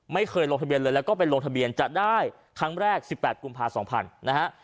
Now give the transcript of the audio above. ไม่เคยลงทะเบียนเลยแล้วก็ไปลงทะเบียนจะได้ครั้งแรก๑๘กุมภา๒๐๐นะฮะ